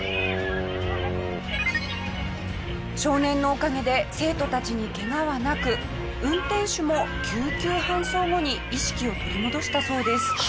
少年のおかげで生徒たちにケガはなく運転手も救急搬送後に意識を取り戻したそうです。